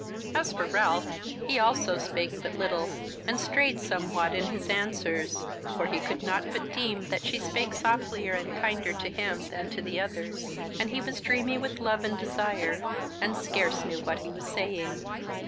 As for Ralph, he also spake but little, and strayed somewhat in his answers; for he could not but deem that she spake softlier and kinder to him than to the others; and he was dreamy with love and desire, and scarce knew what he was saying.